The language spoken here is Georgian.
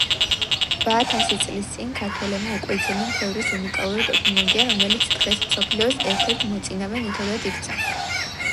რვაათასი წლისწინ ქართველებმა უკვე იცოდნენ ქვევრის უნიკალური ტექნოლოგია რომელიც დღეს მსოფლიოს ერთერთ მოწინავე მეთოდადიქცა